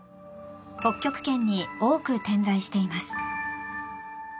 北極圏に多く点在しています。